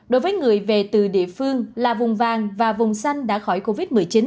đối với người về từ địa phương là vùng vàng và vùng xanh đã khỏi covid một mươi chín